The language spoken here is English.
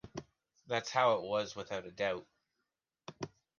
That’s how it was without a doubt.